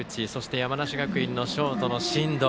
山梨学院のショートの進藤。